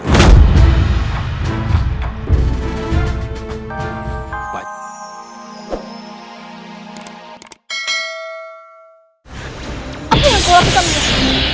apa yang kau lakukan